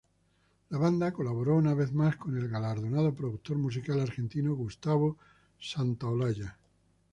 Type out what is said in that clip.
La banda colaboró una vez más con el galardonado productor musical argentino Gustavo Santaolalla.